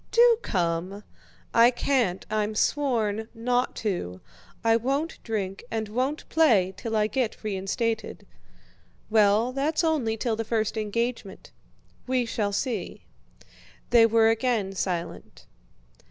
"Do come." "I can't. I've sworn not to. I won't drink and won't play till I get reinstated." "Well, that's only till the first engagement." "We shall see." They were again silent.